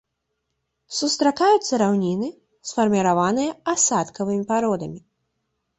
Сустракаюцца раўніны, сфарміраваныя асадкавымі пародамі.